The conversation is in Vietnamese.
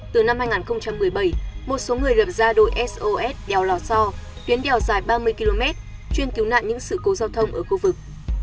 từ năm hai nghìn một mươi bảy một số người lập ra đội sos đèo lò so tuyến đèo dài ba mươi km chuyên cứu nạn những sự cố giao thông ở khu vực